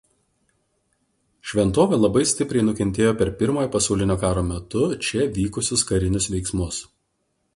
Šventovė labai stipriai nukentėjo per Pirmojo pasaulinio karo metu čia vykusius karinius veiksmus.